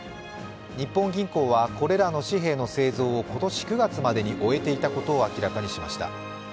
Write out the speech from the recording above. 日本銀行はこれらの紙幣の製造を今年９月までに終えていたことを明らかにしました。